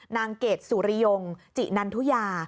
เกรดสุริยงจินันทุยา